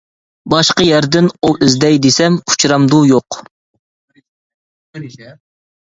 باشقا يەردىن ئوۋ ئىزدەي دېسەم، ئۇچرامدۇ-يوق.